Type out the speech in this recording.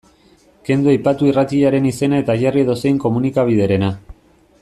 Kendu aipatu irratiaren izena eta jarri edozein komunikabiderena.